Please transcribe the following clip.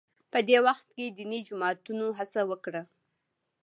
په دې وخت کې دیني جماعتونو هڅه وکړه